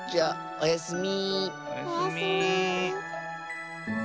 おやすみ。